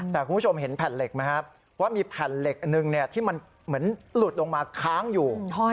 แต่คุณผู้ชมเห็นแผ่นเหล็กไหมครับว่ามีแผ่นเหล็กหนึ่งที่มันเหมือนหลุดลงมาค้างอยู่